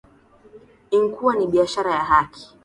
inkuwa ni biashara ya haki